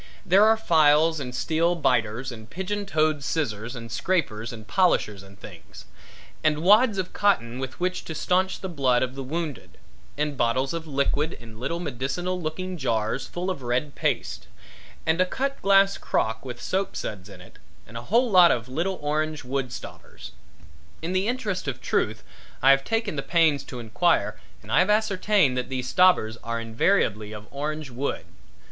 There are files and steel biters and pigeon toed scissors and scrapers and polishers and things; and wads of cotton with which to staunch the blood of the wounded, and bottles of liquid and little medicinal looking jars full of red paste; and a cut glass crock with soap suds in it and a whole lot of little orange wood stobbers. In the interest of truth I have taken the pains to enquire and I have ascertained that these stobbers are invariably of orange wood.